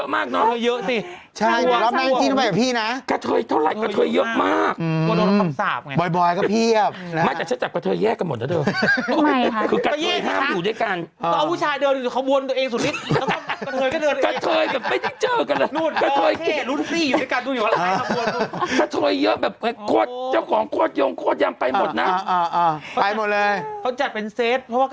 ไม่เห็นภาพไปได้อย่างไรล่ะ